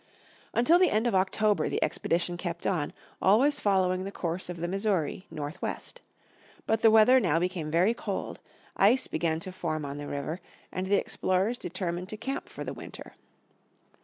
Until the end of October the expedition kept on, always following the course of the Missouri, north west. But the weather now became very cold; ice began to form on the river, and the explorers determined to camp for the winter.